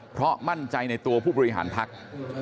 เพราะมั่นใจในตัวผู้บริหารพัก